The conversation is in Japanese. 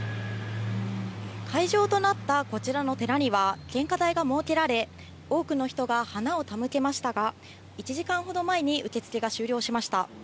会場となったこちらの寺には献花台が設けられ、多くの人が花を手向けましたが、１時間ほど前に受け付けが終了しました。